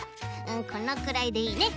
うんこのくらいでいいね。